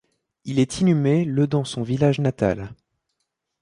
Il est inhumé le dans son village natal.